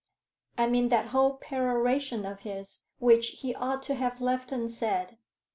I mean that whole peroration of his, which he ought to have left unsaid.